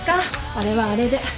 あれはあれで。